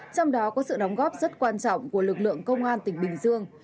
trong đó có sự đóng góp rất quan trọng của lực lượng công an tỉnh bình dương